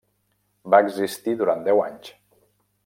Va existir durant deu anys.